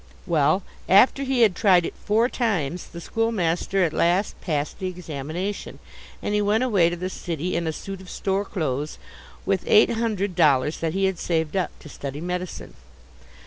Well, after he had tried it four times, the schoolmaster at last passed the examination; and he went away to the city in a suit of store clothes, with eight hundred dollars that he had saved up, to study medicine.